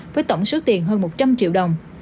với tổng số tiền hơn một trăm linh triệu đồng